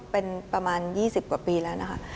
เป็นประมาณ๒๐กว่าปีแล้วนะคะ